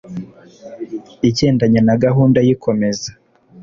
Igendanye na gahunda y ikomeza